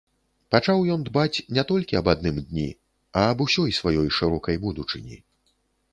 Пачаў ён дбаць не толькі аб адным дні, а аб усёй сваёй шырокай будучыні.